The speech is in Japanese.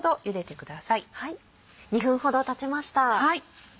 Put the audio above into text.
２分ほどたちました。